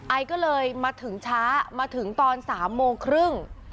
ไอก็เลยมาถึงช้ามาถึงตอน๓โมงครึ่ง